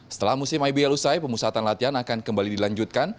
setelah musim ibl usai pemusatan latihan akan kembali dilanjutkan